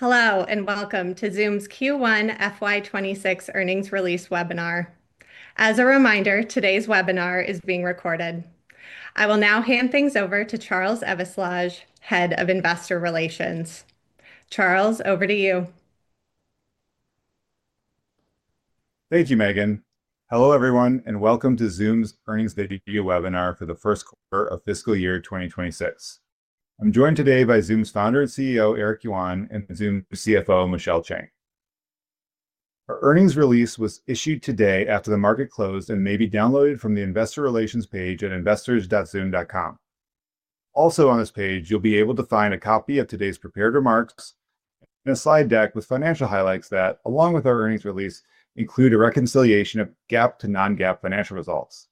Hello and welcome to Zoom's Q1 FY26 Earnings Release Webinar. As a reminder, today's webinar is being recorded. I will now hand things over to Charles Evislage, Head of Investor Relations. Charles, over to you. Thank you, Megan. Hello everyone and welcome to Zoom's Earnings video webinar for the first quarter of fiscal year 2026. I'm joined today by Zoom's founder and CEO, Eric Yuan, and Zoom's CFO, Michelle Chang. Our earnings release was issued today after the market closed and may be downloaded from the Investor Relations page at investors.zoom.com. Also on this page, you'll be able to find a copy of today's prepared remarks and a slide deck with financial highlights that, along with our earnings release, include a reconciliation of GAAP to non-GAAP financial results.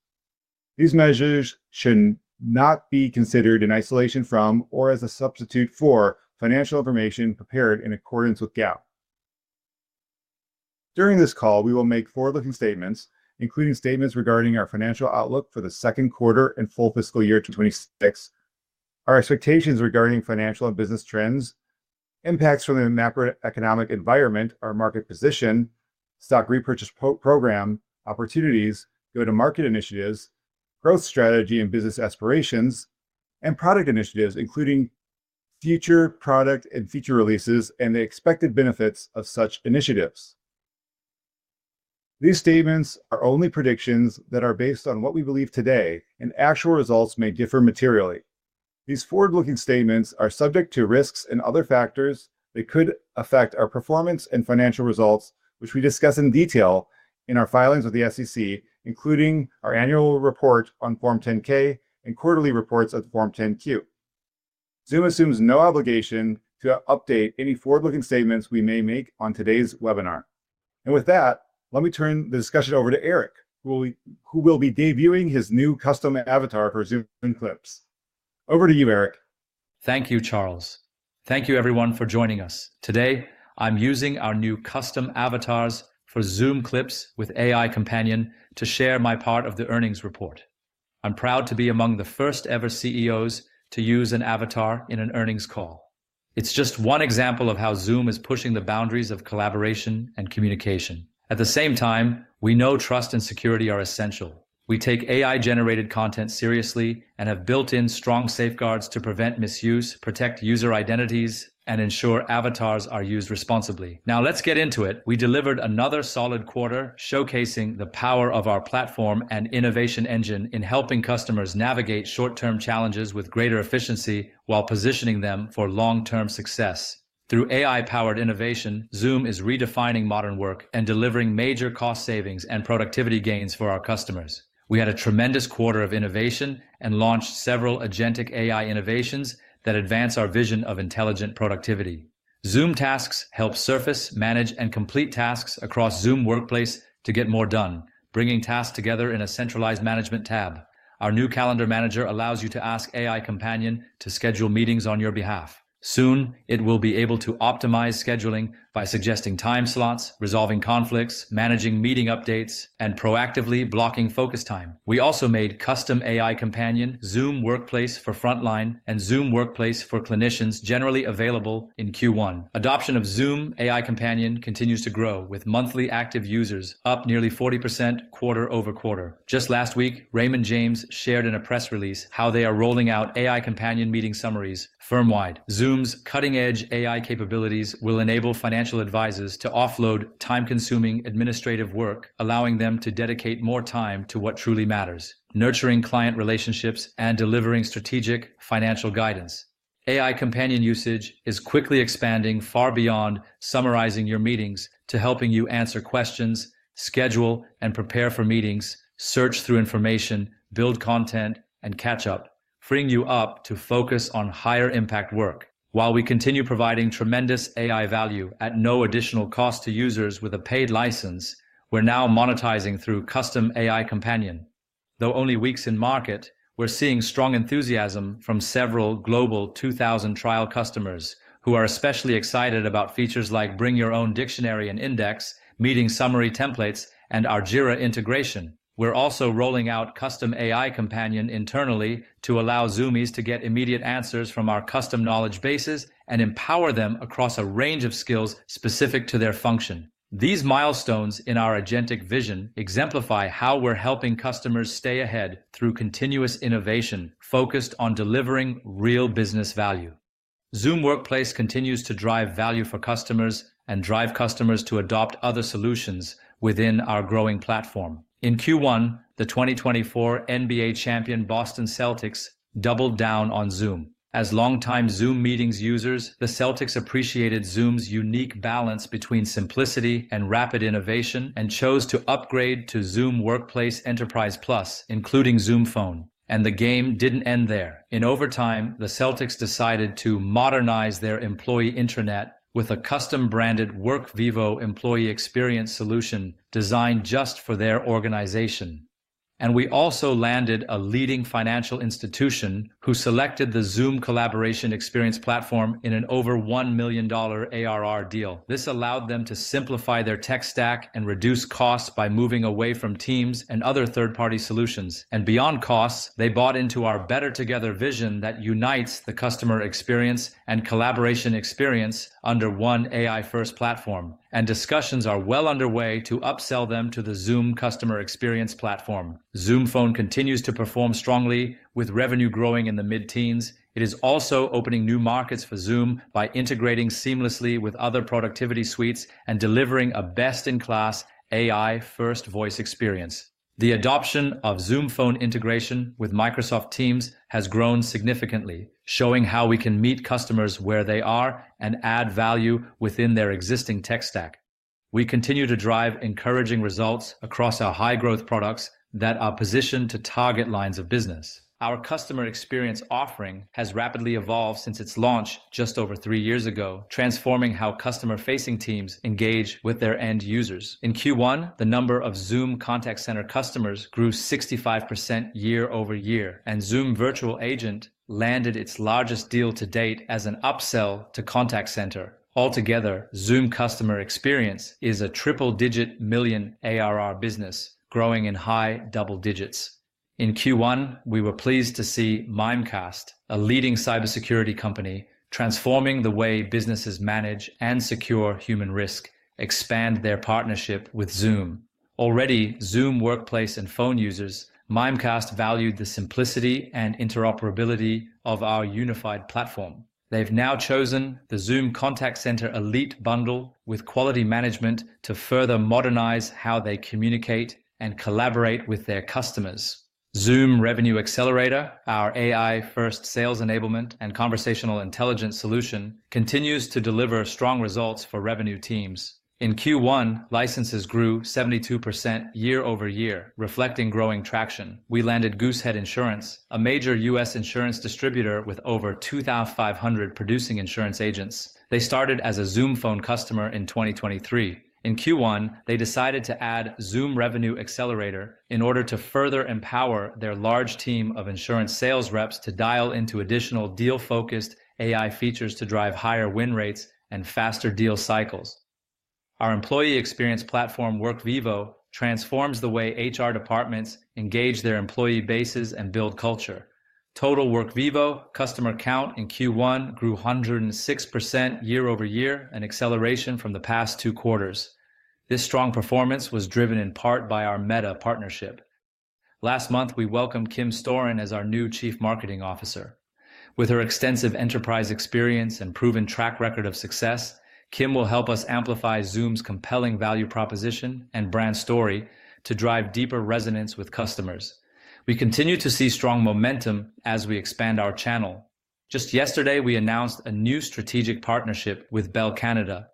These measures should not be considered in isolation from or as a substitute for financial information prepared in accordance with GAAP. During this call, we will make forward-looking statements, including statements regarding our financial outlook for the second quarter and full fiscal year 2026, our expectations regarding financial and business trends, impacts from the macroeconomic environment, our market position, stock repurchase program opportunities, go-to-market initiatives, growth strategy and business aspirations, and product initiatives, including future product and feature releases and the expected benefits of such initiatives. These statements are only predictions that are based on what we believe today, and actual results may differ materially. These forward-looking statements are subject to risks and other factors that could affect our performance and financial results, which we discuss in detail in our filings with the SEC, including our annual report on Form 10-K and quarterly reports of Form 10-Q. Zoom assumes no obligation to update any forward-looking statements we may make on today's webinar. With that, let me turn the discussion over to Eric, who will be debuting his new custom avatar for Zoom Clips. Over to you, Eric. Thank you, Charles. Thank you, everyone, for joining us. Today, I'm using our new custom avatars for Zoom Clips with AI Companion to share my part of the earnings report. I'm proud to be among the first-ever CEOs to use an avatar in an earnings call. It's just one example of how Zoom is pushing the boundaries of collaboration and communication. At the same time, we know trust and security are essential. We take AI-generated content seriously and have built in strong safeguards to prevent misuse, protect user identities, and ensure avatars are used responsibly. Now, let's get into it. We delivered another solid quarter showcasing the power of our platform and innovation engine in helping customers navigate short-term challenges with greater efficiency while positioning them for long-term success. Through AI-powered innovation, Zoom is redefining modern work and delivering major cost savings and productivity gains for our customers. We had a tremendous quarter of innovation and launched several agentic AI innovations that advance our vision of intelligent productivity. Zoom Tasks helps surface, manage, and complete tasks across Zoom Workplace to get more done, bringing tasks together in a centralized management tab. Our new Calendar Manager allows you to ask AI Companion to schedule meetings on your behalf. Soon, it will be able to optimize scheduling by suggesting time slots, resolving conflicts, managing meeting updates, and proactively blocking focus time. We also made custom AI Companion Zoom Workplace for Frontline and Zoom Workplace for Clinicians generally available in Q1. Adoption of Zoom AI Companion continues to grow, with monthly active users up nearly 40% quarter over quarter. Just last week, Raymond James shared in a press release how they are rolling out AI Companion meeting summaries firmwide. Zoom's cutting-edge AI capabilities will enable financial advisors to offload time-consuming administrative work, allowing them to dedicate more time to what truly matters, nurturing client relationships and delivering strategic financial guidance. AI Companion usage is quickly expanding far beyond summarizing your meetings to helping you answer questions, schedule and prepare for meetings, search through information, build content, and catch up, freeing you up to focus on higher-impact work. While we continue providing tremendous AI value at no additional cost to users with a paid license, we're now monetizing through custom AI Companion. Though only weeks in market, we're seeing strong enthusiasm from several Global 2000 trial customers who are especially excited about features like bring your own dictionary and index, meeting summary templates, and our Jira integration. We're also rolling out custom AI Companion internally to allow Zoomies to get immediate answers from our custom knowledge bases and empower them across a range of skills specific to their function. These milestones in our agentic vision exemplify how we're helping customers stay ahead through continuous innovation focused on delivering real business value. Zoom Workplace continues to drive value for customers and drive customers to adopt other solutions within our growing platform. In Q1, the 2024 NBA champion Boston Celtics doubled down on Zoom. As longtime Zoom Meetings users, the Celtics appreciated Zoom's unique balance between simplicity and rapid innovation and chose to upgrade to Zoom Workplace Enterprise Plus, including Zoom Phone. The game did not end there. In overtime, the Celtics decided to modernize their employee intranet with a custom-branded Workvivo employee experience solution designed just for their organization. We also landed a leading financial institution who selected the Zoom Collaboration Experience platform in an over $1 million ARR deal. This allowed them to simplify their tech stack and reduce costs by moving away from Teams and other third-party solutions. Beyond costs, they bought into our Better Together vision that unites the customer experience and collaboration experience under one AI-first platform. Discussions are well underway to upsell them to the Zoom Customer Experience platform. Zoom Phone continues to perform strongly, with revenue growing in the mid-teens. It is also opening new markets for Zoom by integrating seamlessly with other productivity suites and delivering a best-in-class AI-first voice experience. The adoption of Zoom Phone integration with Microsoft Teams has grown significantly, showing how we can meet customers where they are and add value within their existing tech stack. We continue to drive encouraging results across our high-growth products that are positioned to target lines of business. Our customer experience offering has rapidly evolved since its launch just over three years ago, transforming how customer-facing teams engage with their end users. In Q1, the number of Zoom Contact Center customers grew 65% year over year, and Zoom Virtual Agent landed its largest deal to date as an upsell to Contact Center. Altogether, Zoom Customer Experience is a triple-digit million ARR business, growing in high double digits. In Q1, we were pleased to see Mimecast, a leading cybersecurity company, transforming the way businesses manage and secure human risk, expand their partnership with Zoom. Already Zoom Workplace and Phone users, Mimecast valued the simplicity and interoperability of our unified platform. They've now chosen the Zoom Contact Center Elite bundle with quality management to further modernize how they communicate and collaborate with their customers. Zoom Revenue Accelerator, our AI-first sales enablement and conversational intelligence solution, continues to deliver strong results for revenue teams. In Q1, licenses grew 72% year over year, reflecting growing traction. We landed Goosehead Insurance, a major U.S. insurance distributor with over 2,500 producing insurance agents. They started as a Zoom Phone customer in 2023. In Q1, they decided to add Zoom Revenue Accelerator in order to further empower their large team of insurance sales reps to dial into additional deal-focused AI features to drive higher win rates and faster deal cycles. Our employee experience platform Workvivo transforms the way HR departments engage their employee bases and build culture. Total Workvivo customer count in Q1 grew 106% year over year, an acceleration from the past two quarters. This strong performance was driven in part by our Meta partnership. Last month, we welcomed Kim Storin as our new Chief Marketing Officer. With her extensive enterprise experience and proven track record of success, Kim will help us amplify Zoom's compelling value proposition and brand story to drive deeper resonance with customers. We continue to see strong momentum as we expand our channel. Just yesterday, we announced a new strategic partnership with Bell Canada.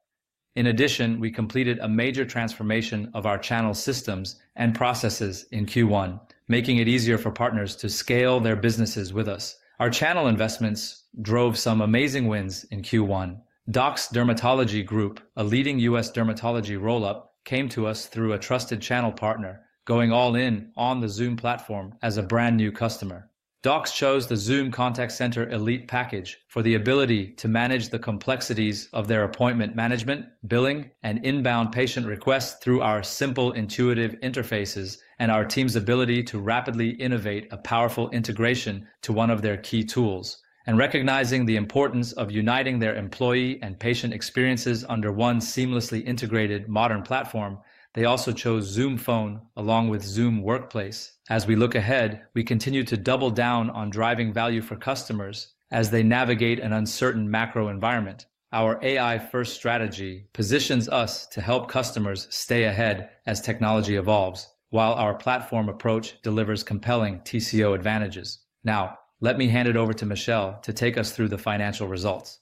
In addition, we completed a major transformation of our channel systems and processes in Q1, making it easier for partners to scale their businesses with us. Our channel investments drove some amazing wins in Q1. DOCS Dermatology Group, a leading U.S. dermatology roll-up, came to us through a trusted channel partner, going all in on the Zoom platform as a brand new customer. DOCS chose the Zoom Contact Center Elite package for the ability to manage the complexities of their appointment management, billing, and inbound patient requests through our simple, intuitive interfaces and our team's ability to rapidly innovate a powerful integration to one of their key tools. Recognizing the importance of uniting their employee and patient experiences under one seamlessly integrated modern platform, they also chose Zoom Phone along with Zoom Workplace. As we look ahead, we continue to double down on driving value for customers as they navigate an uncertain macro environment. Our AI-first strategy positions us to help customers stay ahead as technology evolves, while our platform approach delivers compelling TCO advantages. Now, let me hand it over to Michelle to take us through the financial results.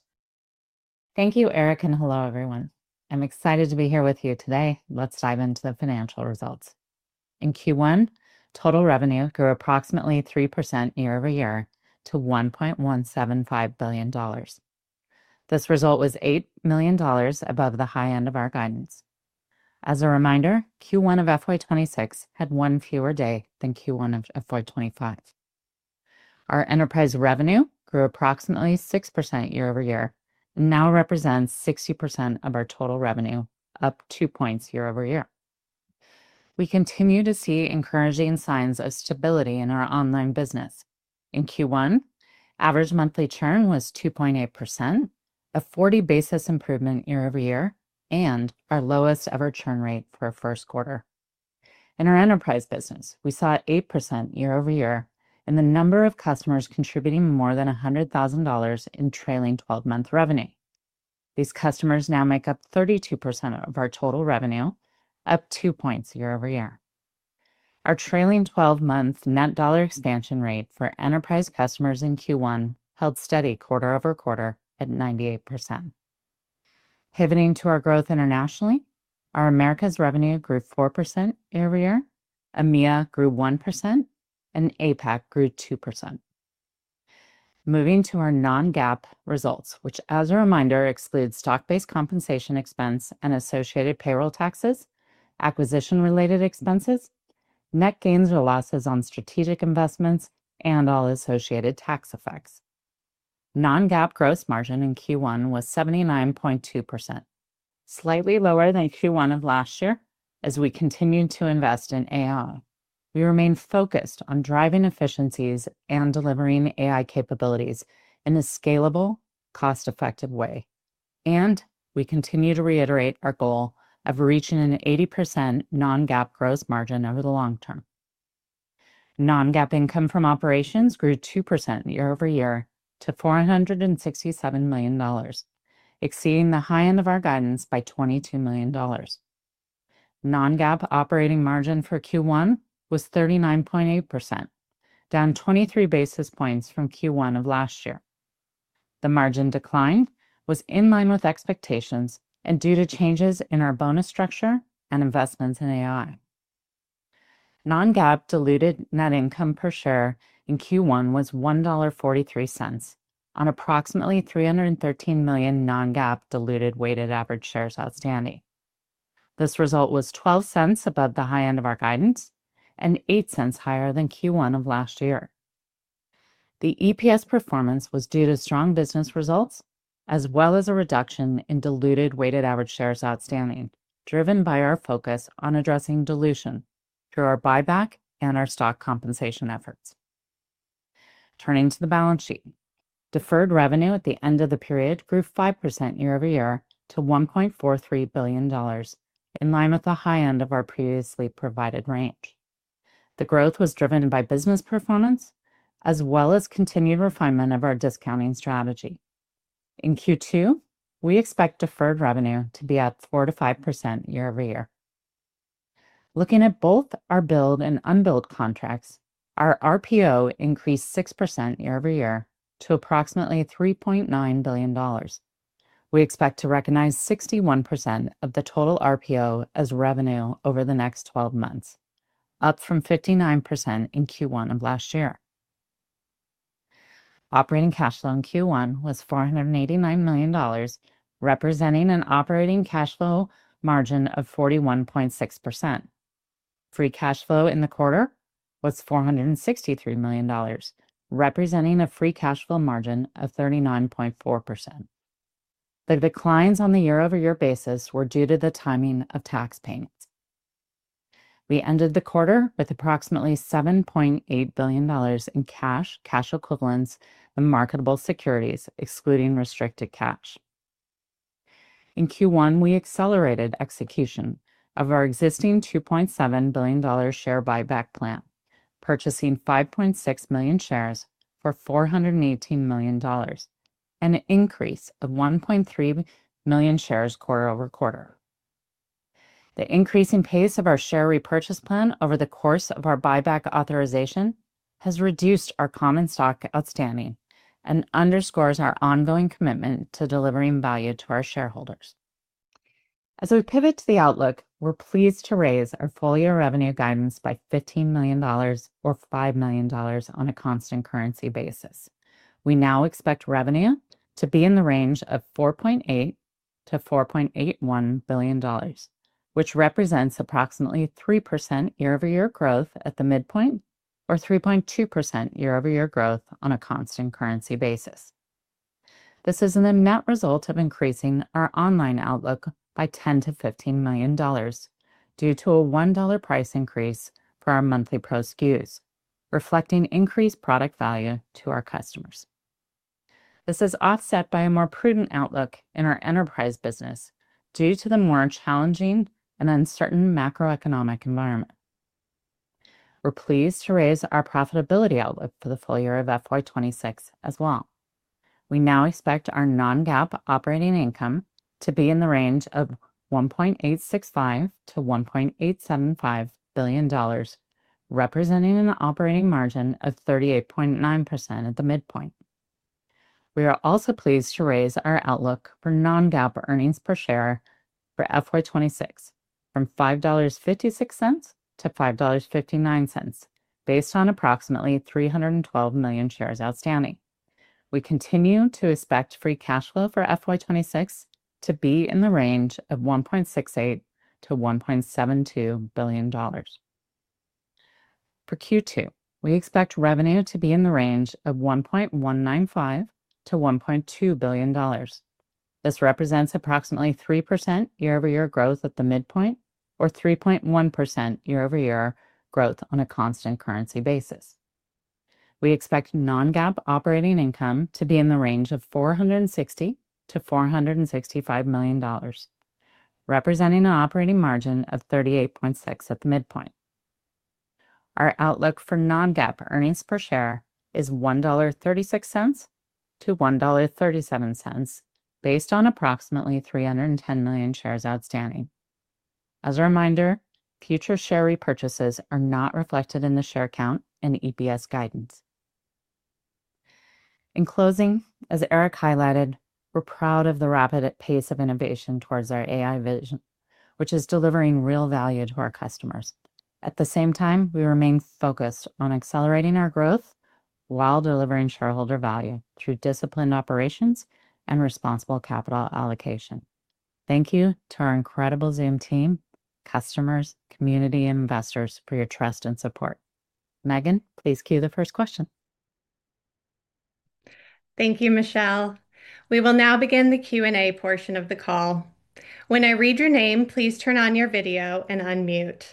Thank you, Eric, and hello, everyone. I'm excited to be here with you today. Let's dive into the financial results. In Q1, total revenue grew approximately 3% year over year to $1.175 billion. This result was $8 million above the high end of our guidance. As a reminder, Q1 of 2026 had one fewer day than Q1 of 2025. Our enterprise revenue grew approximately 6% year over year, and now represents 60% of our total revenue, up 2 percentage points year over year. We continue to see encouraging signs of stability in our online business. In Q1, average monthly churn was 2.8%, a 40 basis points improvement year over year, and our lowest ever churn rate for a first quarter. In our enterprise business, we saw 8% year over year in the number of customers contributing more than $100,000 in trailing 12-month revenue. These customers now make up 32% of our total revenue, up 2 percentage points year over year. Our trailing 12-month net dollar expansion rate for enterprise customers in Q1 held steady quarter over quarter at 98%. Pivoting to our growth internationally, our Americas revenue grew 4% year over year, EMEA grew 1%, and APAC grew 2%. Moving to our non-GAAP results, which, as a reminder, excludes stock-based compensation expense and associated payroll taxes, acquisition-related expenses, net gains or losses on strategic investments, and all associated tax effects. Non-GAAP gross margin in Q1 was 79.2%, slightly lower than Q1 of last year as we continue to invest in AI. We remain focused on driving efficiencies and delivering AI capabilities in a scalable, cost-effective way. We continue to reiterate our goal of reaching an 80% non-GAAP gross margin over the long term. Non-GAAP income from operations grew 2% year over year to $467 million, exceeding the high end of our guidance by $22 million. Non-GAAP operating margin for Q1 was 39.8%, down 23 basis points from Q1 of last year. The margin decline was in line with expectations and due to changes in our bonus structure and investments in AI. Non-GAAP diluted net income per share in Q1 was $1.43 on approximately $313 million non-GAAP diluted weighted average shares outstanding. This result was 12 cents above the high end of our guidance and 8 cents higher than Q1 of last year. The EPS performance was due to strong business results as well as a reduction in diluted weighted average shares outstanding, driven by our focus on addressing dilution through our buyback and our stock compensation efforts. Turning to the balance sheet, deferred revenue at the end of the period grew 5% year over year to $1.43 billion, in line with the high end of our previously provided range. The growth was driven by business performance as well as continued refinement of our discounting strategy. In Q2, we expect deferred revenue to be at 4-5% year over year. Looking at both our billed and unbilled contracts, our RPO increased 6% year over year to approximately $3.9 billion. We expect to recognize 61% of the total RPO as revenue over the next 12 months, up from 59% in Q1 of last year. Operating cash flow in Q1 was $489 million, representing an operating cash flow margin of 41.6%. Free cash flow in the quarter was $463 million, representing a free cash flow margin of 39.4%. The declines on the year-over-year basis were due to the timing of tax payments. We ended the quarter with approximately $7.8 billion in cash, cash equivalents, and marketable securities, excluding restricted cash. In Q1, we accelerated execution of our existing $2.7 billion share buyback plan, purchasing 5.6 million shares for $418 million, an increase of 1.3 million shares quarter over quarter. The increasing pace of our share repurchase plan over the course of our buyback authorization has reduced our common stock outstanding and underscores our ongoing commitment to delivering value to our shareholders. As we pivot to the outlook, we're pleased to raise our full-year revenue guidance by $15 million or $5 million on a constant currency basis. We now expect revenue to be in the range of $4.8-$4.81 billion, which represents approximately 3% year-over-year growth at the midpoint or 3.2% year-over-year growth on a constant currency basis. This is the net result of increasing our online outlook by $10-$15 million due to a $1 price increase for our monthly products, reflecting increased product value to our customers. This is offset by a more prudent outlook in our enterprise business due to the more challenging and uncertain macroeconomic environment. We're pleased to raise our profitability outlook for the full year of FY 2026 as well. We now expect our non-GAAP operating income to be in the range of $1.865-$1.875 billion, representing an operating margin of 38.9% at the midpoint. We are also pleased to raise our outlook for non-GAAP earnings per share for FY 2026 from $5.56 to $5.59, based on approximately 312 million shares outstanding. We continue to expect free cash flow for FY 2026 to be in the range of $1.68-$1.72 billion. For Q2, we expect revenue to be in the range of $1.195 billion-$1.2 billion. This represents approximately 3% year-over-year growth at the midpoint or 3.1% year-over-year growth on a constant currency basis. We expect non-GAAP operating income to be in the range of $460 million-$465 million, representing an operating margin of 38.6% at the midpoint. Our outlook for non-GAAP earnings per share is $1.36-$1.37, based on approximately 310 million shares outstanding. As a reminder, future share repurchases are not reflected in the share count and EPS guidance. In closing, as Eric highlighted, we're proud of the rapid pace of innovation towards our AI vision, which is delivering real value to our customers. At the same time, we remain focused on accelerating our growth while delivering shareholder value through disciplined operations and responsible capital allocation. Thank you to our incredible Zoom team, customers, community, and investors for your trust and support. Megan, please cue the first question. Thank you, Michelle. We will now begin the Q&A portion of the call. When I read your name, please turn on your video and unmute.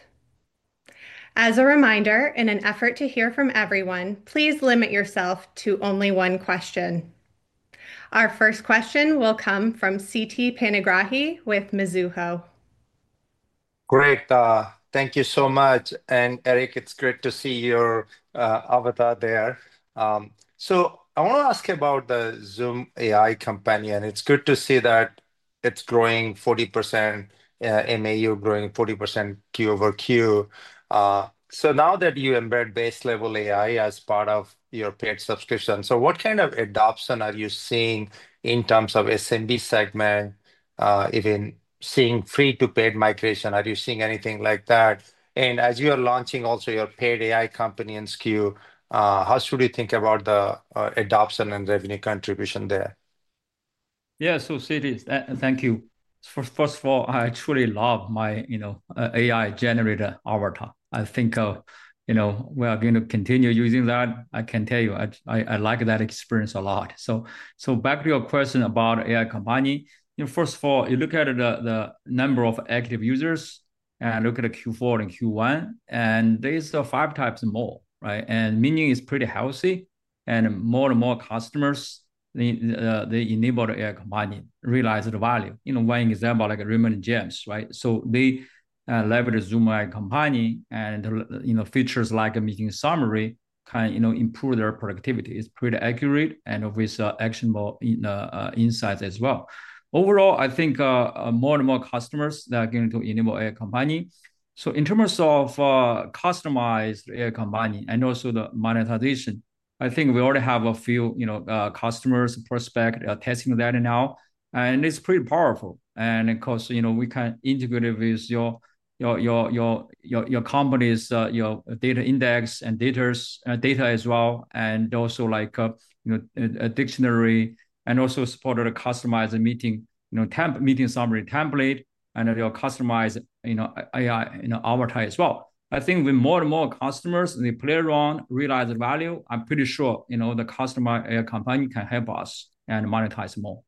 As a reminder, in an effort to hear from everyone, please limit yourself to only one question. Our first question will come from Siti Panigrahi with Mizuho. Great. Thank you so much. Eric, it's great to see your avatar there. I want to ask you about the Zoom AI Companion. It's good to see that it's growing 40%, MAU growing 40% Q over Q. Now that you embed base-level AI as part of your paid subscription, what kind of adoption are you seeing in terms of the SMB segment, even seeing free-to-pay migration? Are you seeing anything like that? As you are launching also your paid AI Companion SKU, how should we think about the adoption and revenue contribution there? Yeah, Siri, thank you. First of all, I truly love my AI generator avatar. I think we are going to continue using that. I can tell you I like that experience a lot. Back to your question about AI Companion, first of all, you look at the number of active users and look at Q4 and Q1, and there's five times more. Meaning is pretty healthy. More and more customers, they enable the AI Companion, realize the value. One example, like Raymond James, right? They leverage Zoom AI Companion and features like making summary can improve their productivity. It's pretty accurate and with actionable insights as well. Overall, I think more and more customers are going to enable AI Companion. In terms of customized AI Companion and also the monetization, I think we already have a few customers prospect testing that now. It is pretty powerful. Of course, we can integrate it with your company's data index and data as well, and also like a dictionary, and also support a customized meeting summary template and your customized AI avatar as well. I think with more and more customers, they play around, realize the value. I am pretty sure the customer AI Companion can help us and monetize more.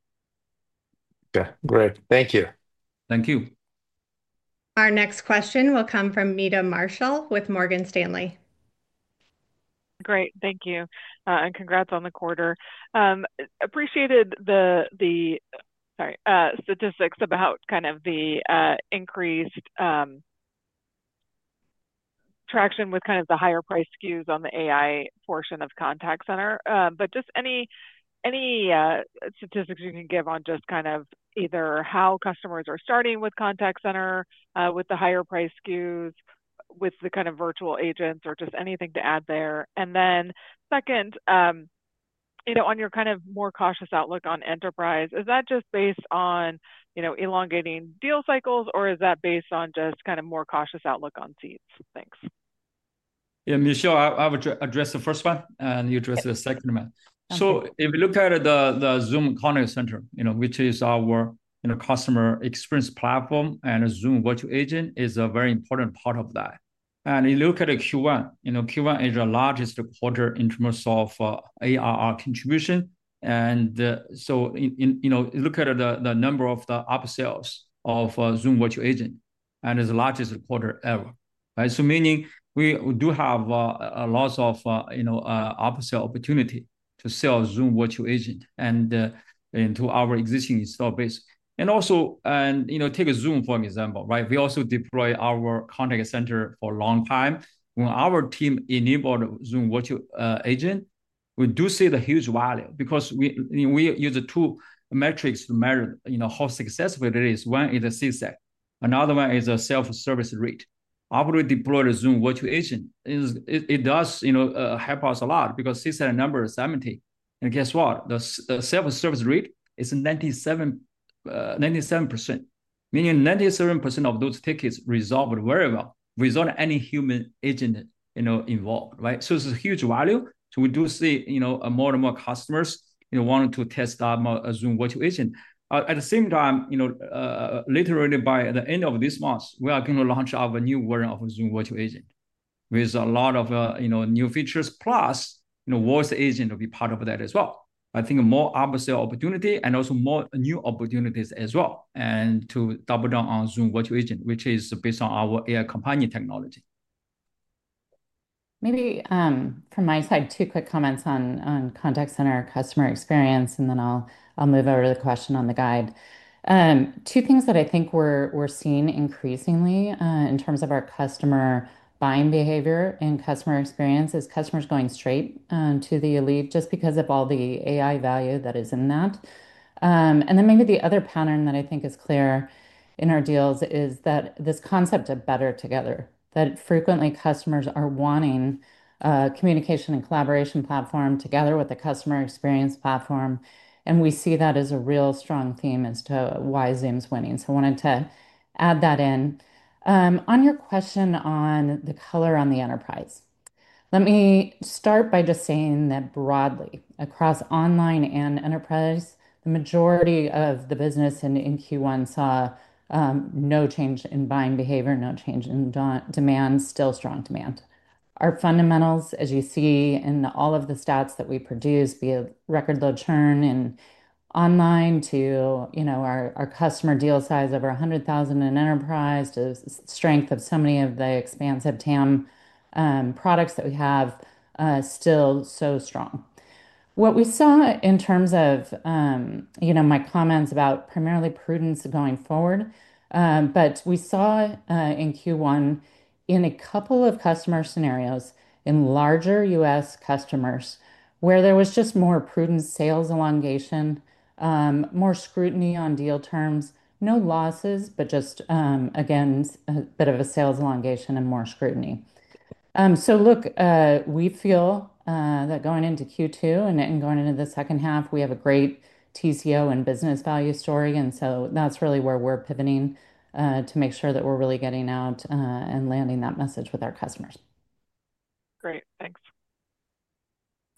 Okay, great. Thank you. Thank you. Our next question will come from Meta Marshall with Morgan Stanley. Great. Thank you. And congrats on the quarter. Appreciated the, sorry, statistics about kind of the increased traction with kind of the higher price SKUs on the AI portion of Contact Center. Just any statistics you can give on just kind of either how customers are starting with Contact Center with the higher price SKUs, with the kind of virtual agents, or just anything to add there. Then second, on your kind of more cautious outlook on enterprise, is that just based on elongating deal cycles or is that based on just kind of more cautious outlook on seats? Thanks. Yeah, Michelle, I would address the first one and you address the second one. If you look at the Zoom Contact Center, which is our customer experience platform, and Zoom Virtual Agent is a very important part of that. If you look at Q1, Q1 is the largest quarter in terms of ARR contribution. If you look at the number of the upsells of Zoom Virtual Agent, it's the largest quarter ever. Meaning we do have lots of upsell opportunity to sell Zoom Virtual Agent to our existing stock base. Also, take Zoom, for example, right? We also deploy our contact center for a long time. When our team enabled Zoom Virtual Agent, we do see the huge value because we use two metrics to measure how successful it is. One is the CSAT. Another one is a self-service rate. After we deploy the Zoom Virtual Agent, it does help us a lot because CSAT number is 70. And guess what? The self-service rate is 97%, meaning 97% of those tickets resolved very well without any human agent involved, right? It is a huge value. We do see more and more customers wanting to test out Zoom Virtual Agent. At the same time, literally by the end of this month, we are going to launch our new version of Zoom Virtual Agent with a lot of new features, plus voice agent will be part of that as well. I think more upsell opportunity and also more new opportunities as well and to double down on Zoom Virtual Agent, which is based on our AI Companion technology. Maybe from my side, two quick comments on Contact Center customer experience, and then I'll move over to the question on the guide. Two things that I think we're seeing increasingly in terms of our customer buying behavior and customer experience is customers going straight to the elite just because of all the AI value that is in that. Maybe the other pattern that I think is clear in our deals is that this concept of better together, that frequently customers are wanting a communication and collaboration platform together with a customer experience platform. We see that as a real strong theme as to why Zoom's winning. I wanted to add that in. On your question on the color on the enterprise, let me start by just saying that broadly, across online and enterprise, the majority of the business in Q1 saw no change in buying behavior, no change in demand, still strong demand. Our fundamentals, as you see in all of the stats that we produce, be it record low churn in online to our customer deal size of our $100,000 in enterprise to the strength of so many of the expansive TAM products that we have, still so strong. What we saw in terms of my comments about primarily prudence going forward, what we saw in Q1 in a couple of customer scenarios in larger US customers where there was just more prudent sales elongation, more scrutiny on deal terms, no losses, but just, again, a bit of a sales elongation and more scrutiny. Look, we feel that going into Q2 and going into the second half, we have a great TCO and business value story. That is really where we are pivoting to make sure that we are really getting out and landing that message with our customers. Great. Thanks.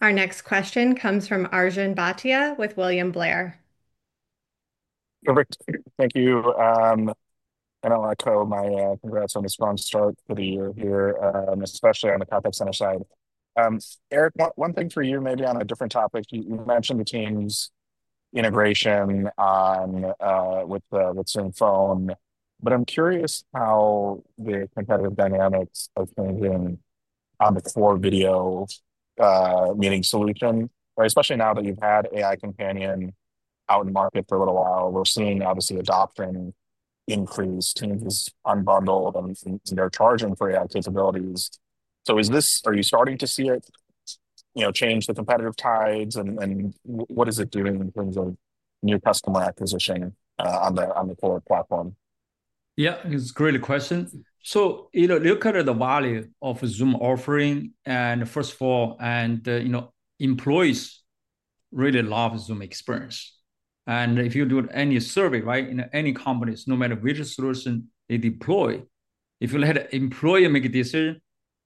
Our next question comes from Arjun Bhatia with William Blair. Perfect. Thank you. I want to tell my congrats on the strong start for the year here, especially on the Contact Center side. Eric, one thing for you, maybe on a different topic. You mentioned the Teams integration with Zoom Phone, but I'm curious how the competitive dynamics are changing on the core video meeting solution, especially now that you've had AI Companion out in the market for a little while. We're seeing obviously adoption increase, Teams is unbundled, and they're charging for AI capabilities. Are you starting to see it change the competitive tides, and what is it doing in terms of new customer acquisition on the core platform? Yeah, it's a great question. Look at the value of Zoom offering. First of all, employees really love Zoom experience. If you do any survey, right, in any companies, no matter which solution they deploy, if you let an employee make a decision,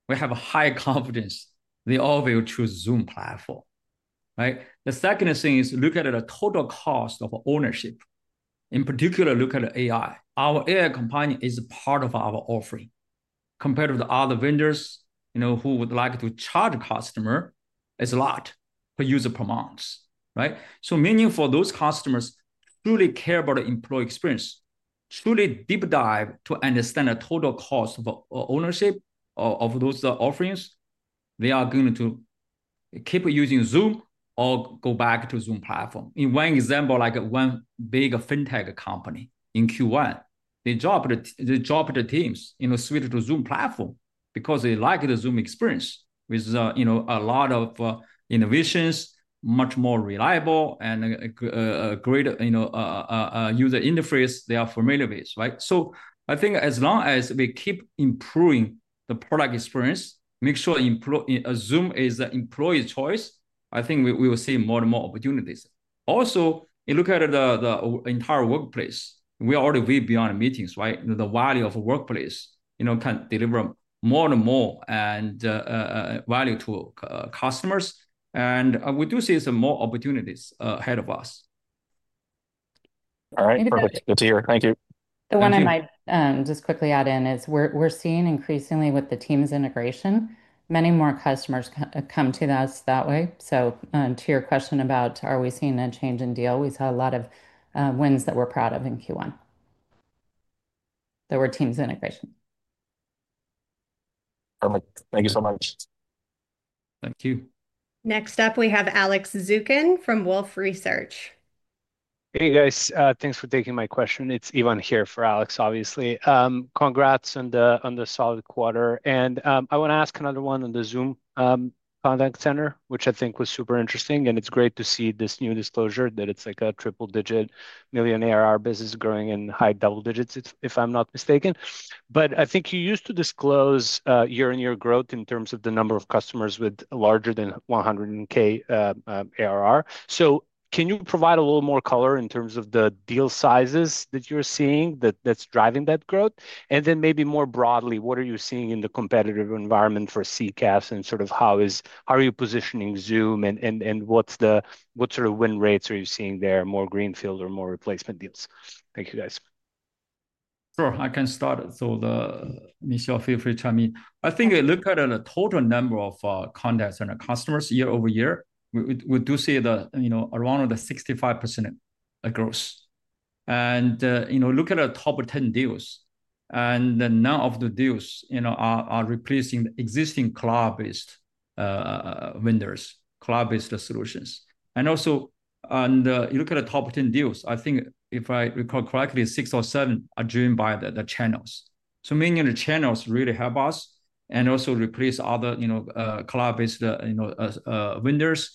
we have a high confidence they all will choose Zoom platform. The second thing is look at the total cost of ownership. In particular, look at the AI. Our AI Companion is part of our offering. Compared with other vendors who would like to charge a customer, it's a lot per user per month. Meaning for those customers who truly care about employee experience, truly deep dive to understand the total cost of ownership of those offerings, they are going to keep using Zoom or go back to Zoom platform. In one example, like one big fintech company in Q1, they dropped the Teams in a suite to Zoom platform because they like the Zoom experience with a lot of innovations, much more reliable, and a great user interface they are familiar with. I think as long as we keep improving the product experience, make sure Zoom is an employee choice, I think we will see more and more opportunities. Also, look at the entire workplace. We are already way beyond meetings, right? The value of a workplace can deliver more and more and value to customers. We do see some more opportunities ahead of us. All right. Good to hear. Thank you. The one I might just quickly add in is we're seeing increasingly with the Teams integration, many more customers come to us that way. To your question about are we seeing a change in deal, we saw a lot of wins that we're proud of in Q1 that were Teams integration. Perfect. Thank you so much. Thank you. Next up, we have Alex Zukin from Wolfe Research. Hey, guys. Thanks for taking my question. It's Ivan here for Alex, obviously. Congrats on the solid quarter. I want to ask another one on the Zoom Contact Center, which I think was super interesting. It's great to see this new disclosure that it's like a triple-digit million ARR business growing in high double digits, if I'm not mistaken. I think you used to disclose year-on-year growth in terms of the number of customers with larger than $100,000 ARR. Can you provide a little more color in terms of the deal sizes that you're seeing that's driving that growth? Maybe more broadly, what are you seeing in the competitive environment for CCAS and sort of how are you positioning Zoom and what sort of win rates are you seeing there, more greenfield or more replacement deals? Thank you, guys. Sure. I can start. Michelle, feel free to chime in. I think look at the total number of contacts and customers year over year. We do see around 65% growth. Look at the top 10 deals. None of the deals are replacing existing cloud-based vendors, cloud-based solutions. You look at the top 10 deals, I think if I recall correctly, six or seven are joined by the channels. Meaning the channels really help us and also replace other cloud-based vendors.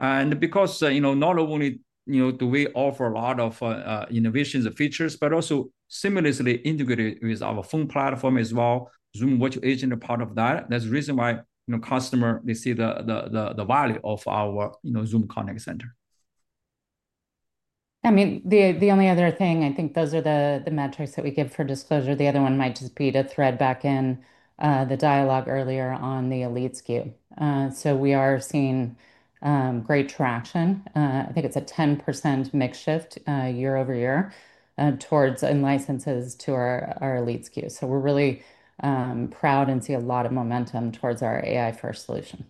Because not only do we offer a lot of innovations and features, but also seamlessly integrated with our phone platform as well, Zoom Virtual Agent part of that. That's the reason why customers, they see the value of our Zoom Contact Center. I mean, the only other thing, I think those are the metrics that we give for disclosure. The other one might just be to thread back in the dialogue earlier on the Elite SKU. We are seeing great traction. I think it is a 10% mix shift year over year towards licenses to our Elite SKU. We are really proud and see a lot of momentum towards our AI-first solution.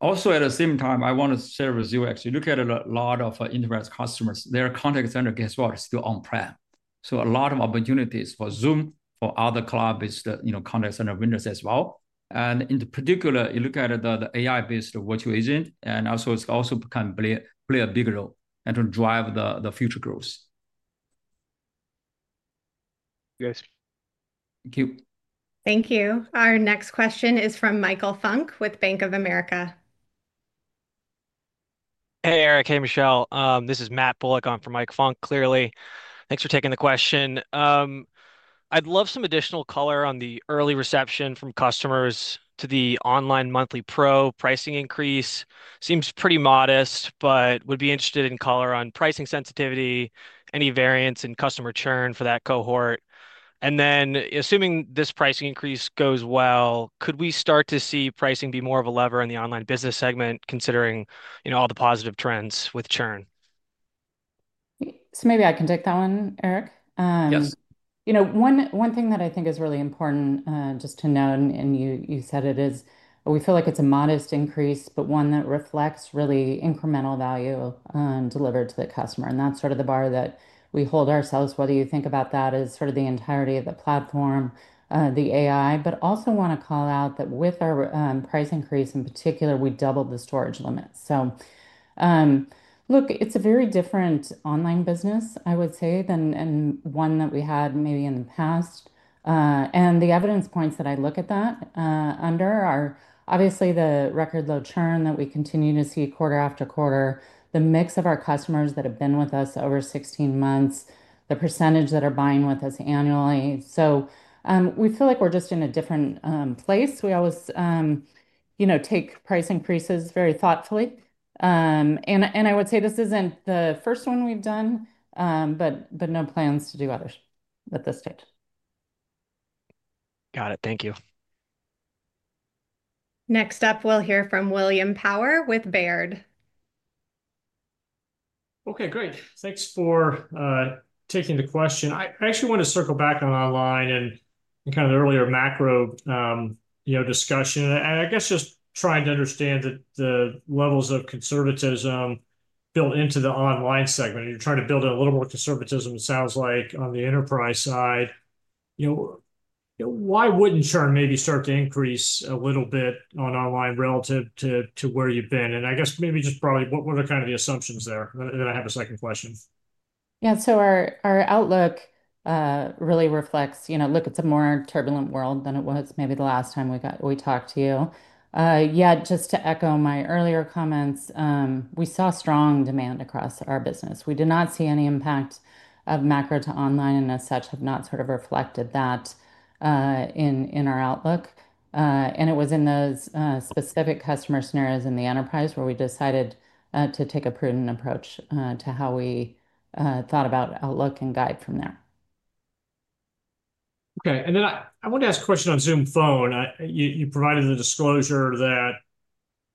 Also, at the same time, I want to share with you, actually, look at a lot of enterprise customers. Their contact center, guess what, is still on prem. A lot of opportunities for Zoom, for other cloud-based contact center vendors as well. In particular, you look at the AI-based virtual agent, and also it's also playing a big role to drive the future growth. Yes. Thank you. Thank you. Our next question is from Michael Funk with Bank of America. Hey, Eric, hey, Michelle. This is Matt Bullock on for Mike Funk, clearly. Thanks for taking the question. I'd love some additional color on the early reception from customers to the online monthly Pro pricing increase. Seems pretty modest, but would be interested in color on pricing sensitivity, any variance in customer churn for that cohort. Assuming this pricing increase goes well, could we start to see pricing be more of a lever in the online business segment considering all the positive trends with churn? Maybe I can take that one, Eric. Yes. One thing that I think is really important just to note, and you said it is, we feel like it's a modest increase, but one that reflects really incremental value delivered to the customer. That's sort of the bar that we hold ourselves. Whether you think about that as sort of the entirety of the platform, the AI, but also want to call out that with our price increase in particular, we doubled the storage limits. Look, it's a very different online business, I would say, than one that we had maybe in the past. The evidence points that I look at that under are obviously the record low churn that we continue to see quarter after quarter, the mix of our customers that have been with us over 16 months, the percentage that are buying with us annually. We feel like we're just in a different place. We always take price increases very thoughtfully. I would say this isn't the first one we've done, but no plans to do others at this stage. Got it. Thank you. Next up, we'll hear from William Power with Baird. Okay, great. Thanks for taking the question. I actually want to circle back on our line and kind of the earlier macro discussion. I guess just trying to understand the levels of conservatism built into the online segment. You're trying to build in a little more conservatism, it sounds like, on the enterprise side. Why wouldn't churn maybe start to increase a little bit on online relative to where you've been? I guess maybe just probably what are kind of the assumptions there? I have a second question. Yeah. Our outlook really reflects, look, it's a more turbulent world than it was maybe the last time we talked to you. Yeah, just to echo my earlier comments, we saw strong demand across our business. We did not see any impact of macro to online and as such have not sort of reflected that in our outlook. It was in those specific customer scenarios in the enterprise where we decided to take a prudent approach to how we thought about outlook and guide from there. Okay. I want to ask a question on Zoom Phone. You provided the disclosure that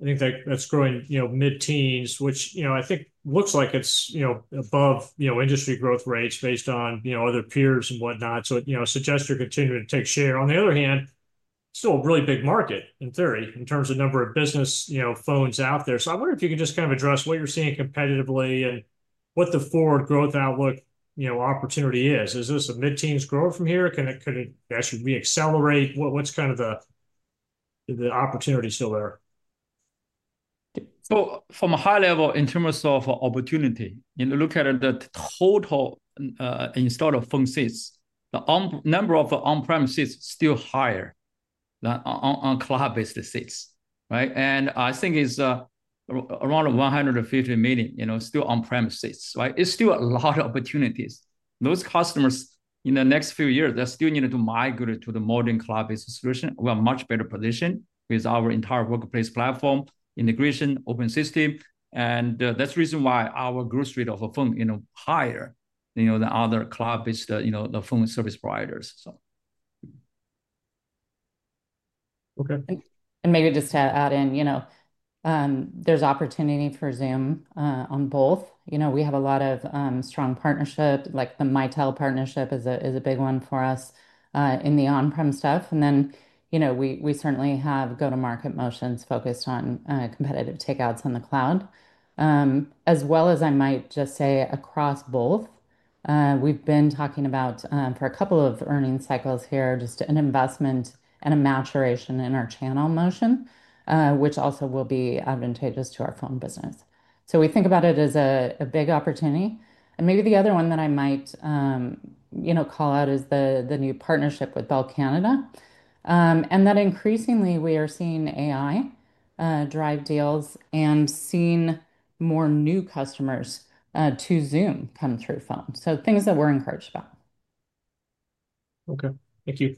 I think that's growing mid-teens, which I think looks like it's above industry growth rates based on other peers and whatnot. It suggests you're continuing to take share. On the other hand, still a really big market in theory in terms of number of business phones out there. I wonder if you can just kind of address what you're seeing competitively and what the forward growth outlook opportunity is. Is this a mid-teens growth from here? Can it actually reaccelerate? What's kind of the opportunity still there? From a high level in terms of opportunity, look at the total installed phone seats. The number of on-prem seats is still higher than cloud-based seats. I think it's around 150 million still on-prem seats. It's still a lot of opportunities. Those customers in the next few years, they still need to migrate to the modern cloud-based solution. We have a much better position with our entire workplace platform integration, open system. That's the reason why our growth rate of a phone is higher than other cloud-based phone service providers. Okay. Maybe just to add in, there's opportunity for Zoom on both. We have a lot of strong partnerships, like the Mitel partnership is a big one for us in the on-prem stuff. We certainly have go-to-market motions focused on competitive takeouts on the cloud. As well as, I might just say across both, we've been talking about for a couple of earning cycles here, just an investment and a maturation in our channel motion, which also will be advantageous to our phone business. We think about it as a big opportunity. Maybe the other one that I might call out is the new partnership with Bell Canada. Increasingly, we are seeing AI drive deals and seeing more new customers to Zoom come through phone. Things that we're encouraged about. Okay. Thank you.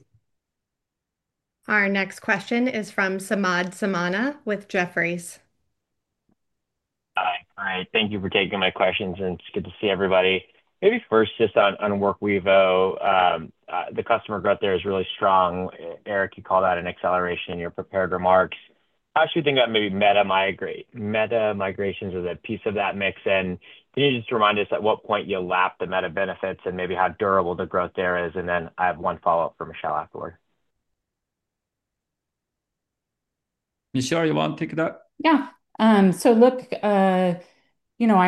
Our next question is from Samad Samana with Jefferies. Hi. All right. Thank you for taking my questions. It's good to see everybody. Maybe first just on Workvivo, the customer growth there is really strong. Eric, you called that an acceleration in your prepared remarks. How should we think about maybe Meta migrations as a piece of that mix? Can you just remind us at what point you'll lap the Meta benefits and maybe how durable the growth there is? I have one follow-up for Michelle afterward. Michelle, you want to take that? Yeah. Look, I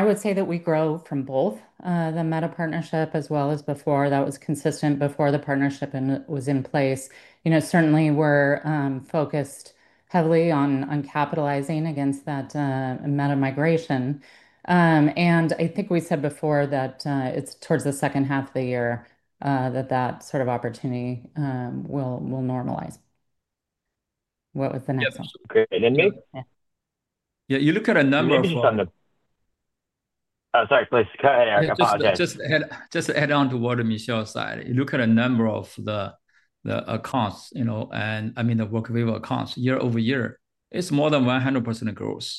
would say that we grow from both the Meta partnership as well as before. That was consistent before the partnership was in place. Certainly, we're focused heavily on capitalizing against that Meta migration. I think we said before that it's towards the second half of the year that that sort of opportunity will normalize. What was the next one? Yeah. Yeah. You look at a number of. Sorry, please go ahead, Eric. Apologize. Just to add on to what Michelle said, you look at a number of the accounts, and I mean the Workvivo accounts year over year, it's more than 100% growth.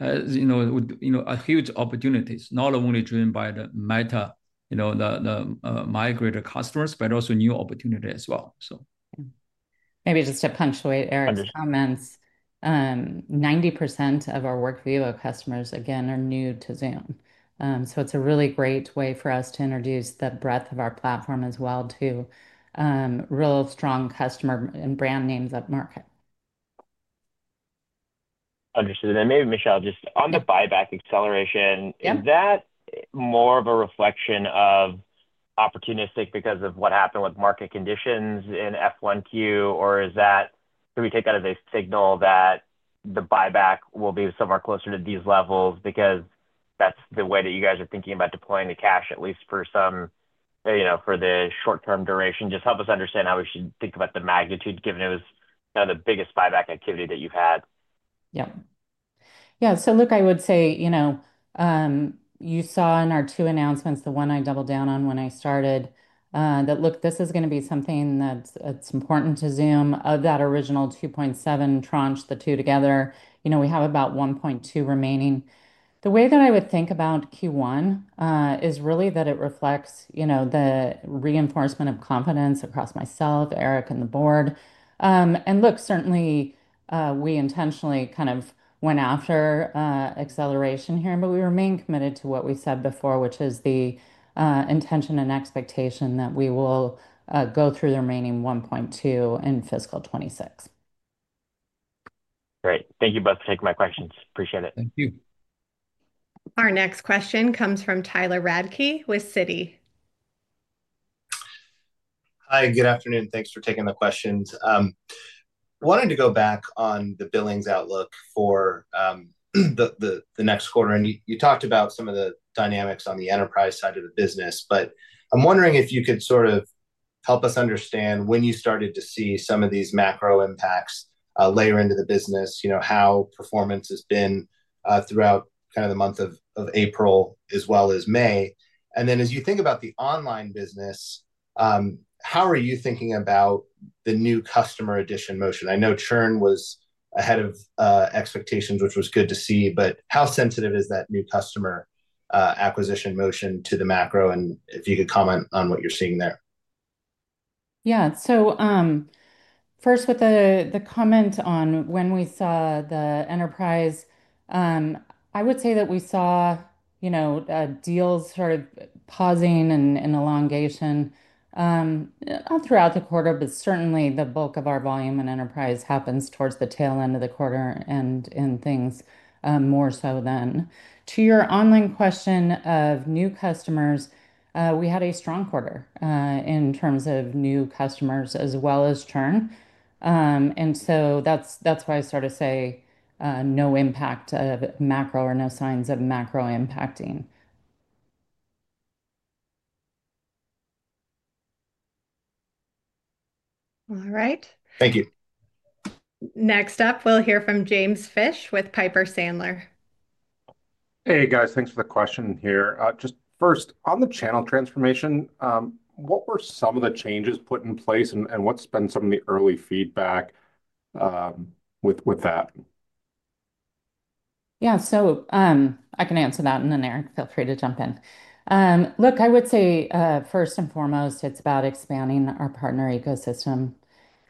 A huge opportunities, not only driven by the Meta, the migrated customers, but also new opportunity as well. Maybe just to punctuate Eric's comments, 90% of our Workvivo customers, again, are new to Zoom. It is a really great way for us to introduce the breadth of our platform as well to real strong customer and brand names at market. Understood. Maybe Michelle, just on the buyback acceleration, is that more of a reflection of opportunistic because of what happened with market conditions in F1Q? Or can we take that as a signal that the buyback will be somewhere closer to these levels because that is the way that you guys are thinking about deploying the cash, at least for the short-term duration? Just help us understand how we should think about the magnitude given it was the biggest buyback activity that you have had. Yep. Yeah. I would say you saw in our two announcements, the one I doubled down on when I started, that this is going to be something that's important to Zoom. Of that original 2.7 tranche, the two together, we have about 1.2 remaining. The way that I would think about Q1 is really that it reflects the reinforcement of confidence across myself, Eric, and the board. Certainly, we intentionally kind of went after acceleration here, but we remain committed to what we said before, which is the intention and expectation that we will go through the remaining $1.2 billion in fiscal 2026. Great. Thank you both for taking my questions. Appreciate it. Thank you. Our next question comes from Tyler Radke with Citi. Hi, good afternoon. Thanks for taking the questions. Wanted to go back on the billings outlook for the next quarter. You talked about some of the dynamics on the enterprise side of the business, but I'm wondering if you could sort of help us understand when you started to see some of these macro impacts layer into the business, how performance has been throughout kind of the month of April as well as May. As you think about the online business, how are you thinking about the new customer addition motion? I know churn was ahead of expectations, which was good to see, but how sensitive is that new customer acquisition motion to the macro? If you could comment on what you're seeing there. Yeah. First, with the comment on when we saw the enterprise, I would say that we saw deals sort of pausing and elongation throughout the quarter, but certainly the bulk of our volume in enterprise happens towards the tail end of the quarter and things more so then. To your online question of new customers, we had a strong quarter in terms of new customers as well as churn. That is why I sort of say no impact of macro or no signs of macro impacting. All right. Thank you. Next up, we'll hear from James Fish with Piper Sandler. Hey, guys. Thanks for the question here. Just first, on the channel transformation, what were some of the changes put in place and what's been some of the early feedback with that? Yeah. I can answer that, and then Eric, feel free to jump in. Look, I would say first and foremost, it is about expanding our partner ecosystem.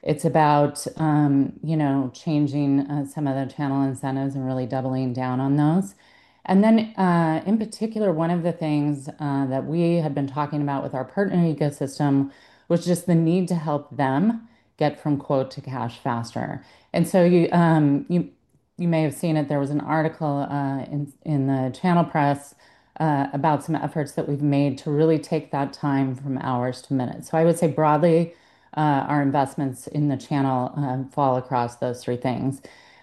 It is about changing some of the channel incentives and really doubling down on those. In particular, one of the things that we had been talking about with our partner ecosystem was just the need to help them get from quote to cash faster. You may have seen that there was an article in the Channel Press about some efforts that we have made to really take that time from hours to minutes. I would say broadly, our investments in the channel fall across those three things.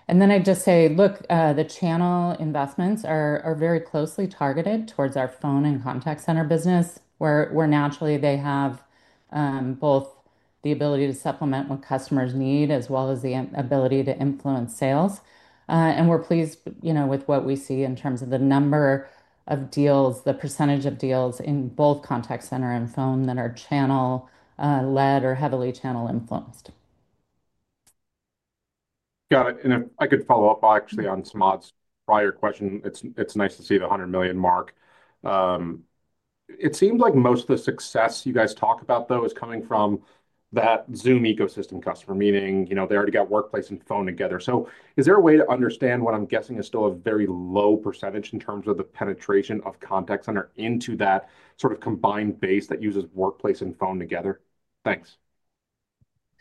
I'd just say, look, the channel investments are very closely targeted towards our phone and contact center business, where naturally they have both the ability to supplement what customers need as well as the ability to influence sales. We're pleased with what we see in terms of the number of deals, the percentage of deals in both contact center and phone that are channel-led or heavily channel-influenced. Got it. I could follow up actually on Samad's prior question. It's nice to see the $100 million mark. It seems like most of the success you guys talk about, though, is coming from that Zoom ecosystem customer, meaning they already got Workplace and Phone together. Is there a way to understand what I'm guessing is still a very low percentage in terms of the penetration of Contact Center into that sort of combined base that uses Workplace and Phone together? Thanks.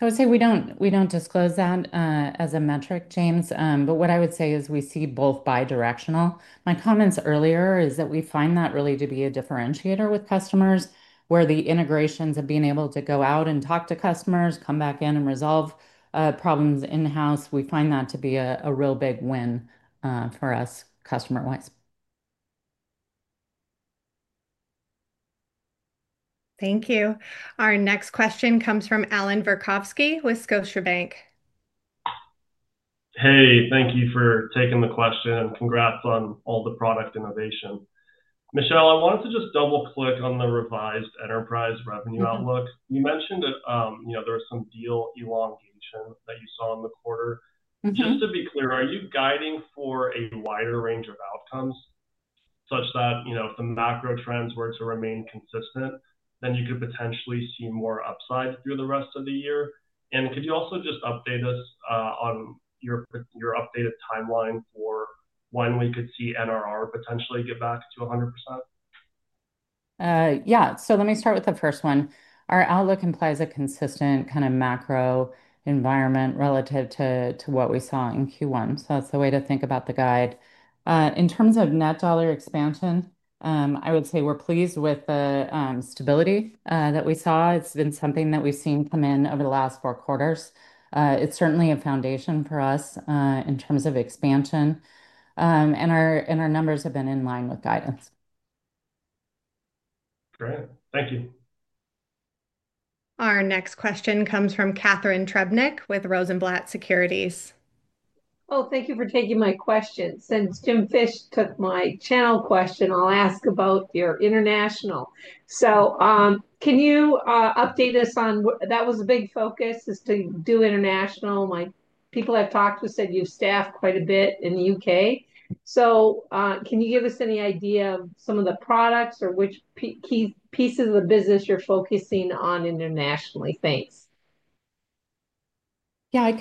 I would say we don't disclose that as a metric, James. What I would say is we see both bidirectional. My comments earlier is that we find that really to be a differentiator with customers where the integrations of being able to go out and talk to customers, come back in and resolve problems in-house, we find that to be a real big win for us customer-wise. Thank you. Our next question comes from Alan Verkovsky with Scotiabank. Hey, thank you for taking the question. Congrats on all the product innovation. Michelle, I wanted to just double-click on the revised enterprise revenue outlook. You mentioned there was some deal elongation that you saw in the quarter. Just to be clear, are you guiding for a wider range of outcomes such that if the macro trends were to remain consistent, then you could potentially see more upside through the rest of the year? Could you also just update us on your updated timeline for when we could see NRR potentially get back to 100%? Yeah. Let me start with the first one. Our outlook implies a consistent kind of macro environment relative to what we saw in Q1. That is the way to think about the guide. In terms of net dollar expansion, I would say we are pleased with the stability that we saw. It has been something that we have seen come in over the last four quarters. It is certainly a foundation for us in terms of expansion. Our numbers have been in line with guidance. Great. Thank you. Our next question comes from Katherine Trebnik with Rosenblatt Securities. Oh, thank you for taking my question. Since Jim Fish took my channel question, I'll ask about your international. Can you update us on that was a big focus is to do international. People I've talked to said you staff quite a bit in the U.K. Can you give us any idea of some of the products or which pieces of the business you're focusing on internationally? Thanks. Yeah, I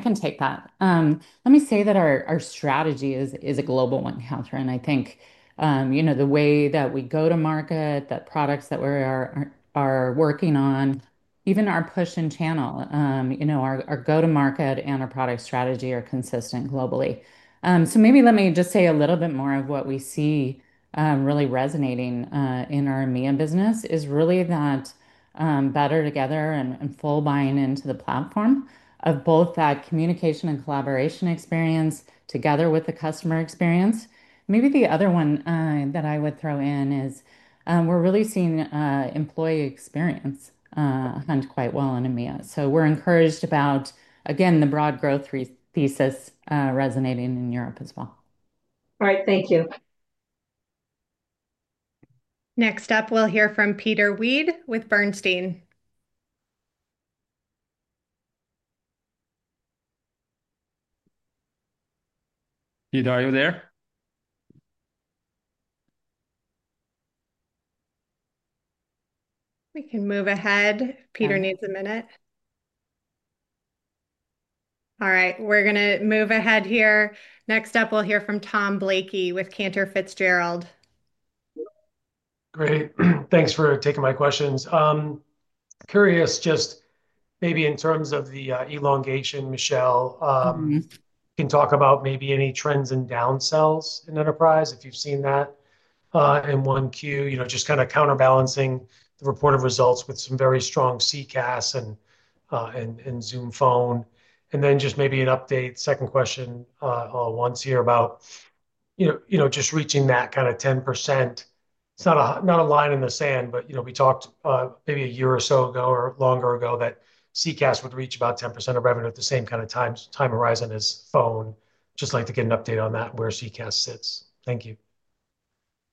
can take that. Let me say that our strategy is a global one, Katherine. I think the way that we go to market, the products that we are working on, even our push in channel, our go-to-market and our product strategy are consistent globally. Maybe let me just say a little bit more of what we see really resonating in our EMEA business is really that better together and full buying into the platform of both that communication and collaboration experience together with the customer experience. Maybe the other one that I would throw in is we're really seeing employee experience hunt quite well in EMEA. We're encouraged about, again, the broad growth thesis resonating in Europe as well. All right. Thank you. Next up, we'll hear from Peter Weed with Bernstein. Peter, are you there? We can move ahead. Peter needs a minute. All right. We're going to move ahead here. Next up, we'll hear from Tom Blakey with Cantor Fitzgerald. Great. Thanks for taking my questions. Curious just maybe in terms of the elongation, Michelle, can you talk about maybe any trends in downsells in enterprise if you've seen that in Q1, just kind of counterbalancing the reported results with some very strong CCAS and Zoom Phone. Then just maybe an update, second question, I want to hear about just reaching that kind of 10%. It's not a line in the sand, but we talked maybe a year or so ago or longer ago that CCAS would reach about 10% of revenue at the same kind of time horizon as Phone. Just like to get an update on that, where CCAS sits. Thank you.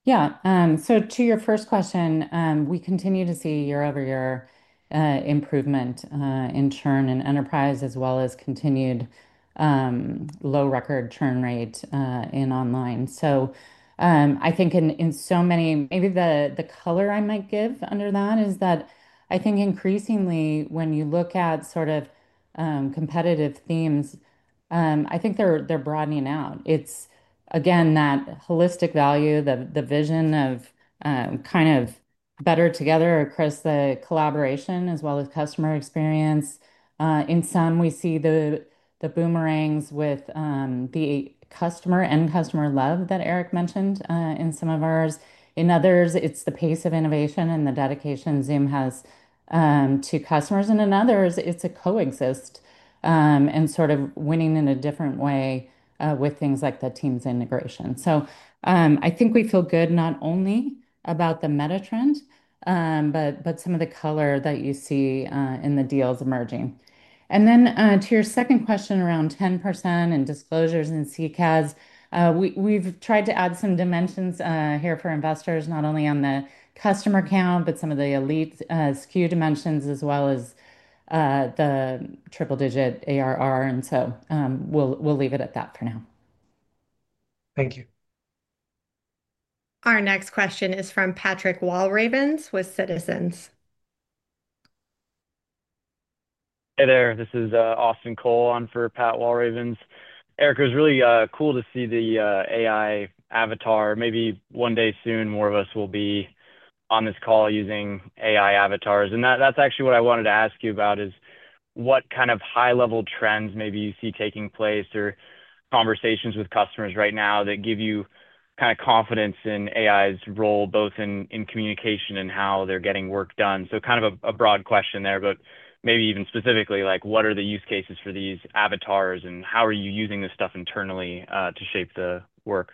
Yeah. To your first question, we continue to see year-over-year improvement in churn in enterprise as well as continued record low churn rate in online. I think in summary, maybe the color I might give under that is that I think increasingly when you look at sort of competitive themes, I think they are broadening out. It is, again, that holistic value, the vision of kind of better together across the collaboration as well as customer experience. In some, we see the boomerangs with the customer and customer love that Eric mentioned in some of ours. In others, it is the pace of innovation and the dedication Zoom has to customers. In others, it is a coexist and sort of winning in a different way with things like the Teams integration. I think we feel good not only about the meta trend, but some of the color that you see in the deals emerging. Then to your second question around 10% and disclosures and CCAS, we've tried to add some dimensions here for investors, not only on the customer account, but some of the elite SKU dimensions as well as the triple-digit ARR. We'll leave it at that for now. Thank you. Our next question is from Patrick Walravens with Citizens. Hey there. This is Austin Cole on for Pat Walravens. Eric, it was really cool to see the AI avatar. Maybe one day soon, more of us will be on this call using AI avatars. That is actually what I wanted to ask you about is what kind of high-level trends maybe you see taking place or conversations with customers right now that give you kind of confidence in AI's role, both in communication and how they're getting work done. Kind of a broad question there, but maybe even specifically, what are the use cases for these avatars and how are you using this stuff internally to shape the work?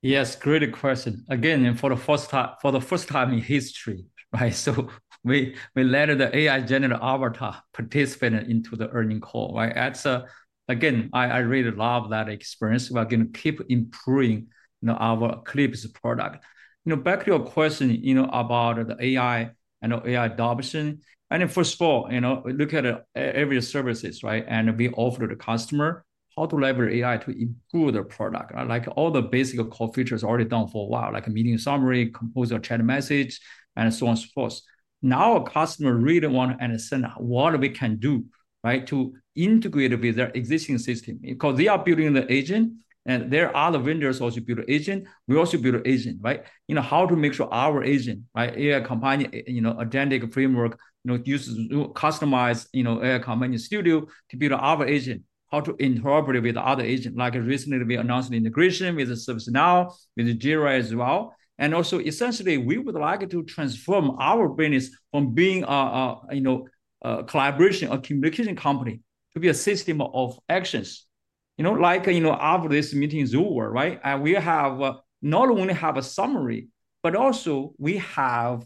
Yes. Great question. Again, for the first time in history, right? We let the AI general avatar participate in the earnings call, right? Again, I really love that experience. We're going to keep improving our Eclipse product. Back to your question about the AI and AI adoption. I think first of all, look at every service, right? We offer to the customer how to leverage AI to improve their product. All the basic core features are already done for a while, like meeting summary, composer chat message, and so on and so forth. Now our customer really wants to understand what we can do to integrate with their existing system because they are building the agent and there are other vendors also building agents. We also build agents, right? How to make sure our agent, right? AI company, agentic framework, customized AI Companion studio to build our agent, how to interoperate with other agents. Like recently we announced integration with ServiceNow, with Jira as well. Essentially, we would like to transform our business from being a collaboration or communication company to be a system of actions. Like after this meeting, Zoom world, right? We not only have a summary, but also we have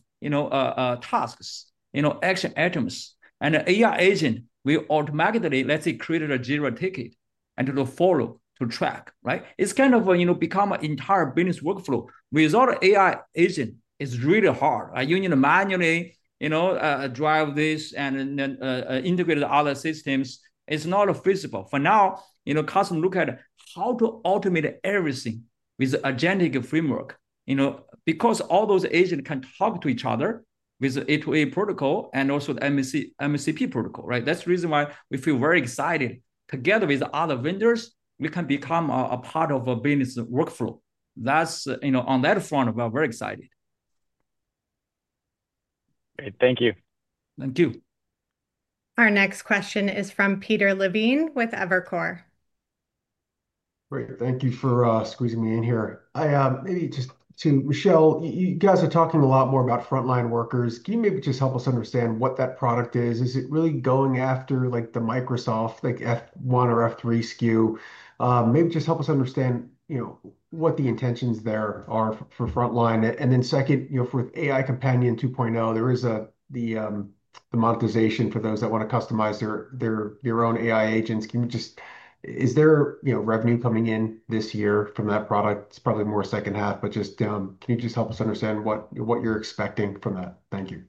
tasks, action items. And the AI agent, we automatically, let's say, created a Jira ticket and to follow, to track, right? It kind of becomes an entire business workflow. Without an AI agent, it is really hard. You need to manually drive this and integrate other systems. It is not feasible. For now, customers look at how to automate everything with agentic framework because all those agents can talk to each other with the A2A protocol and also the MSCP protocol, right? That's the reason why we feel very excited. Together with other vendors, we can become a part of a business workflow. On that front, we're very excited. Great. Thank you. Thank you. Our next question is from Peter Levine with Evercore. Great. Thank you for squeezing me in here. Maybe just to Michelle, you guys are talking a lot more about frontline workers. Can you maybe just help us understand what that product is? Is it really going after the Microsoft F1 or F3 SKU? Maybe just help us understand what the intentions there are for frontline. Then second, with AI Companion 2.0, there is the monetization for those that want to customize their own AI agents. Is there revenue coming in this year from that product? It's probably more second half, but can you just help us understand what you're expecting from that? Thank you.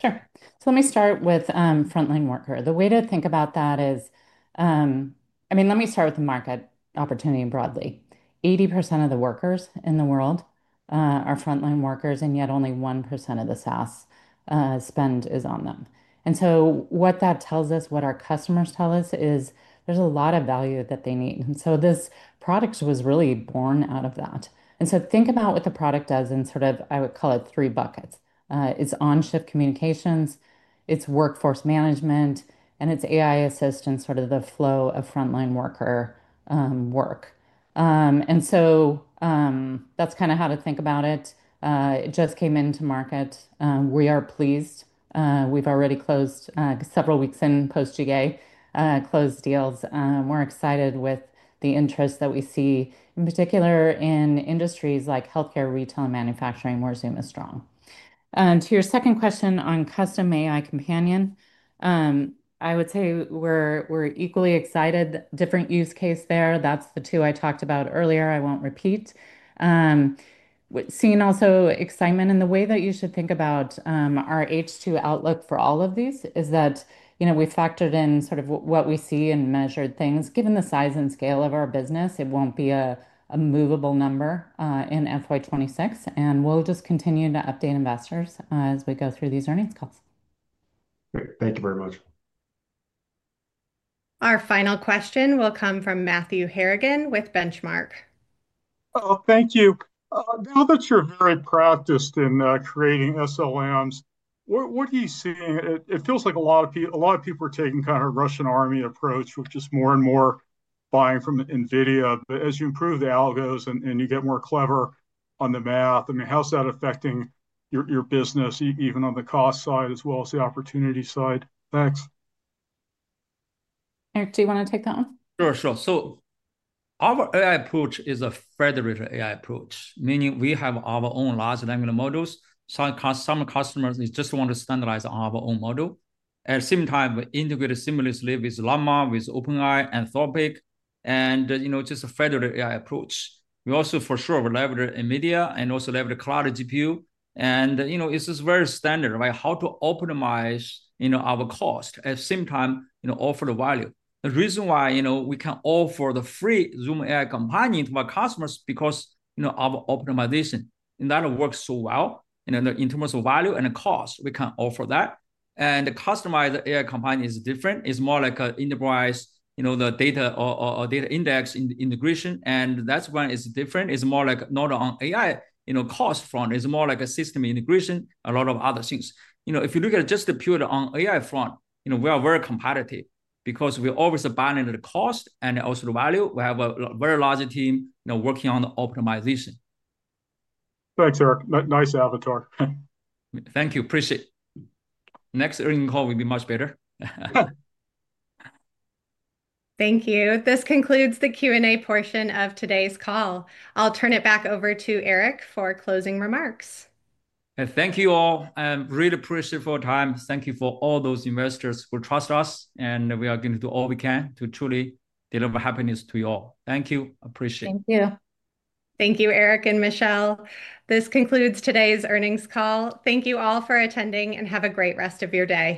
Sure. Let me start with frontline worker. The way to think about that is, I mean, let me start with the market opportunity broadly. 80% of the workers in the world are frontline workers, and yet only 1% of the SaaS spend is on them. What that tells us, what our customers tell us, is there's a lot of value that they need. This product was really born out of that. Think about what the product does in, sort of, I would call it three buckets. It's on-shift communications, it's workforce management, and it's AI assistance, sort of the flow of frontline worker work. That's kind of how to think about it. It just came into market. We are pleased. We've already closed several weeks in post-GA closed deals. We're excited with the interest that we see, in particular in industries like healthcare, retail, and manufacturing where Zoom is strong. To your second question on custom AI Companion, I would say we're equally excited. Different use case there. That's the two I talked about earlier. I won't repeat. Seeing also excitement in the way that you should think about our H2 outlook for all of these is that we factored in sort of what we see and measured things. Given the size and scale of our business, it won't be a movable number in FY 2026. We'll just continue to update investors as we go through these earnings calls. Great. Thank you very much. Our final question will come from Matthew Harrigan with Benchmark. Oh, thank you. Now that you're very practiced in creating SLMs, what are you seeing? It feels like a lot of people are taking kind of a Russian army approach, which is more and more buying from NVIDIA. As you improve the algos and you get more clever on the math, I mean, how's that affecting your business, even on the cost side as well as the opportunity side? Thanks. Eric, do you want to take that one? Sure, sure. Our AI approach is a federated AI approach, meaning we have our own large language models. Some customers just want to standardize our own model. At the same time, we integrate seamlessly with Llama, with OpenAI, Anthropic, and just a federated AI approach. We also, for sure, will leverage NVIDIA and also leverage Cloud GPU. It is just very standard, right? How to optimize our cost at the same time, offer the value. The reason why we can offer the free Zoom AI Companion to our customers is because of optimization. That works so well. In terms of value and cost, we can offer that. The customized AI Companion is different. It is more like an enterprise, the data or data index integration. That is why it is different. It is more like not on AI cost front. It's more like a system integration, a lot of other things. If you look at just the pure on AI front, we are very competitive because we always abandon the cost and also the value. We have a very large team working on the optimization. Thanks, Eric. Nice avatar. Thank you. Appreciate it. Next earnings call will be much better. Thank you. This concludes the Q&A portion of today's call. I'll turn it back over to Eric for closing remarks. Thank you all. I'm really appreciative for your time. Thank you for all those investors who trust us. We are going to do all we can to truly deliver happiness to you all. Thank you. Appreciate it. Thank you. Thank you, Eric and Michelle. This concludes today's earnings call. Thank you all for attending and have a great rest of your day.